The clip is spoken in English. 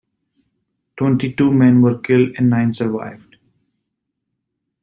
Twenty-two men were killed and nine survived.